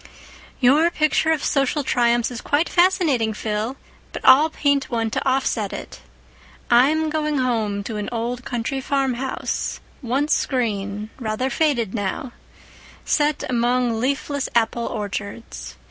"Your picture of social triumphs is quite fascinating, Phil, but I'll paint one to offset it. I'm going home to an old country farmhouse, once green, rather faded now, set among leafless apple orchards.